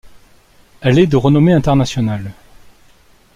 Elle est de renommée internationale.